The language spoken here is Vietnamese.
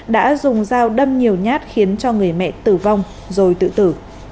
đã dùng dao đâm nhiều nhát khiến cho người mẹ tử vong rồi tự tử